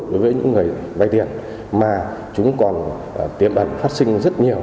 đối với những người vay tiền mà chúng còn tiềm ẩn phát sinh rất nhiều